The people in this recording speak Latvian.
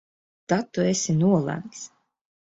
Tad tu esi nolemts!